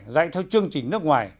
dạy theo chương trình nước ngoài